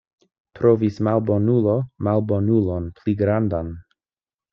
Trovis malbonulo malbonulon pli grandan.